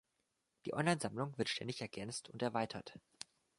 Die Online-Sammlung wird ständig ergänzt und erweitert.